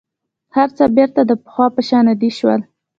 هر څه بېرته د پخوا په شان عادي شول.